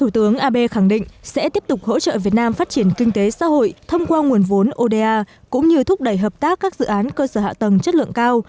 thủ tướng abe khẳng định sẽ tiếp tục hỗ trợ việt nam phát triển kinh tế xã hội thông qua nguồn vốn oda cũng như thúc đẩy hợp tác các dự án cơ sở hạ tầng chất lượng cao